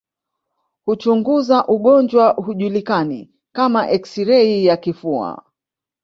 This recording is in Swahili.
Huchunguza ugonjwa hujulikana kama eksirei ya kifua